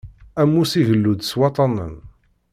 Ammus igellu-d s waṭṭanen.